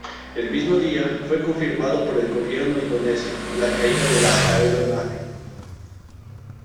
El mismo día, fue confirmado por el gobierno indonesio la caída de la aeronave.